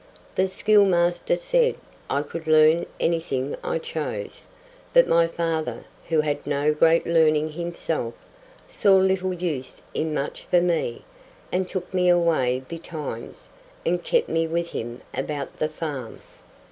The schoolmaster said I could learn anything I chose, but my father, who had no great learning himself, saw little use in much for me, and took me away betimes, and kept me with him about the farm.